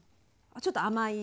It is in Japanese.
ちょっと甘い。